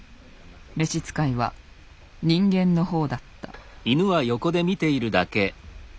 召し使いは人間のほうだった。